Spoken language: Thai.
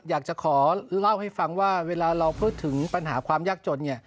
อยากจะขอเล่าให้ฟังว่าเวลาเราพูดถึงปัญหาความยากจน